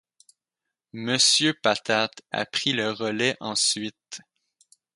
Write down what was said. Monsieur Patate a pris le relais ensuite.